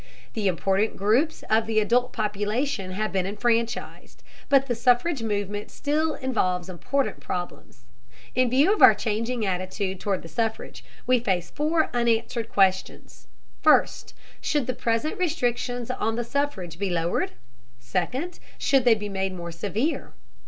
The important groups of the adult population have been enfranchised, but the suffrage movement still involves important problems. In view of our changing attitude toward the suffrage we face four unanswered questions: First, should the present restrictions on the suffrage be lowered? Second, should they be made more severe?